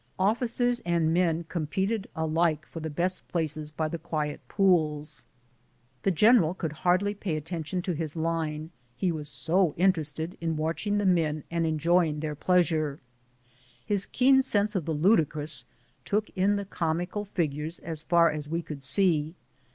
Officers and men competed alike for the best places by the quiet pools. The gen eral could hardly pay attention to his line, he was so in terested watching the men and enjoying their pleasure. His keen sense of the ludicrous took in the comical figures as far as we could see.